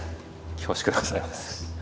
恐縮でございます。